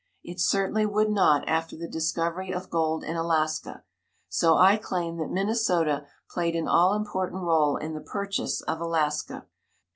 It certainly would not after the discovery of gold in Alaska. So I claim that Minnesota played an all important role in the purchase of Alaska.